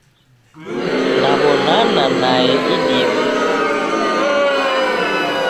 Naw'onana nae idime.